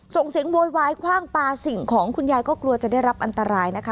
ส่งเสียงโวยวายคว่างปลาสิ่งของคุณยายก็กลัวจะได้รับอันตรายนะคะ